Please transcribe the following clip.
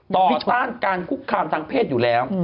ต่อต้านการคุกคามทางเพศอยู่แล้ว